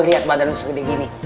gak lihat badan gua segede gini